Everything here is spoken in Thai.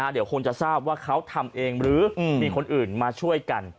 เดี๋ยวคงจะทราบว่าเขาทำเองหรือมีคนอื่นมาช่วยกัน